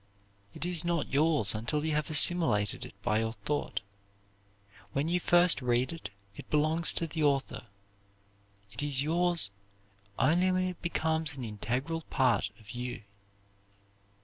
It is not yours until you have assimilated it by your thought. When you first read it, it belongs to the author. It is yours only when it becomes an integral part of you.